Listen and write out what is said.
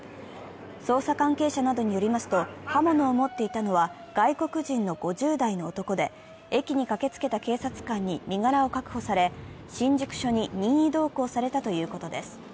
捜査関係者などによりますと刃物を持っていたのは外国人の５０代の男で、駅に駆けつけた警察官に身柄を確保され、新宿署に任意同行されたということです。